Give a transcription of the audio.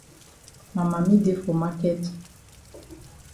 Ma mami dey for maket.